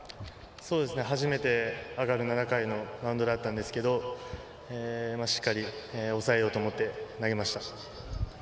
初めて上がる７回のマウンドだったんですけどしっかり、抑えようと思って投げました。